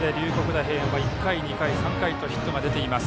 大平安は１回、２回、３回とヒットが出ています。